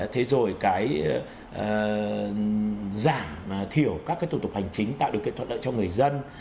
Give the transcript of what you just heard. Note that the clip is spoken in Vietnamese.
thế rồi cái giảm thiểu các cái tổng tục hành chính tạo được kỹ thuật lợi cho người dân